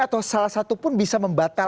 atau salah satu pun bisa membatalkan